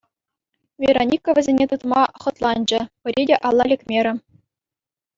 Вероника вӗсене тытма хӑтланчӗ, пӗри те алла лекмерӗ.